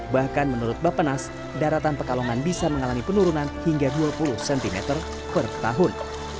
bahkan menurut bapak nas daratan pekalongan bisa mengalami penurunan hingga dua puluh cm per tahun